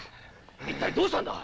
一体どうしたんだ？